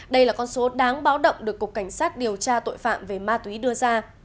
đây là con số đáng báo động được cục cảnh sát điều tra tội phạm về ma túy đưa ra